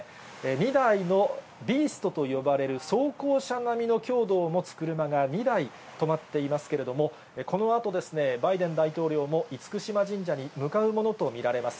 ２台の、ビーストと呼ばれる装甲車並みの強度を持つ車が２台止まっていますけれども、このあと、バイデン大統領も厳島神社に向かうものと見られます。